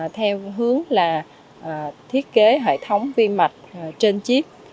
theo hướng là thiết kế hệ thống vi mạch trên chip